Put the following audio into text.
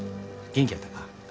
元気やったか？